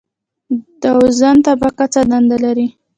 د اوزون طبقه څه دنده لري؟